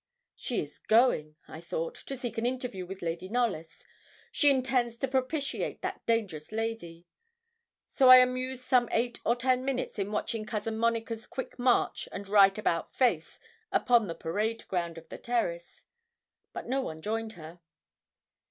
She is going, I thought, to seek an interview with Lady Knollys. She intends to propitiate that dangerous lady; so I amused some eight or ten minutes in watching Cousin Monica's quick march and right about face upon the parade ground of the terrace. But no one joined her.